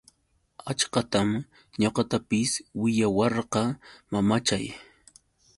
Achkatam ñuqatapis willawarqa mamachay.